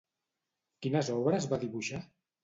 Quines obres va dibuixar?